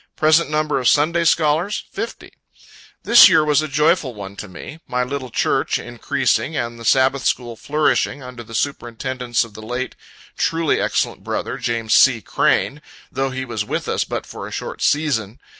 Present number of Sunday scholars, 50. This year was a joyful one to me my little church increasing, and the Sabbath school flourishing, under the superintendence of the late truly excellent brother James C. Crane, though he was with us but for a short season.